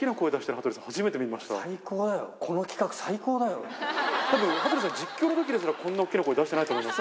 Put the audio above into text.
羽鳥さん、実況のときですら、こんな大きな声出してないと思います。